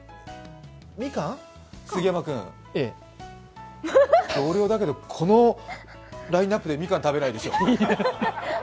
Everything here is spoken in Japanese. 杉山君同僚だけどこのラインナップでみかん食べないでしょう。